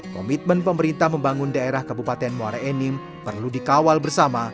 komitmen pemerintah membangun daerah kabupaten muara enim perlu dikawal bersama